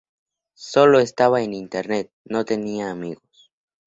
Sólo estaba en Internet, no tenía amigos.